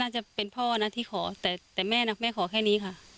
จะเป็นพ่อนะที่ขอแต่แม่นะแม่ขอแค่นี้ค่ะ